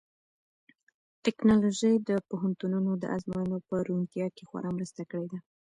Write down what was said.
ټیکنالوژي د پوهنتونونو د ازموینو په روڼتیا کې خورا مرسته کړې ده.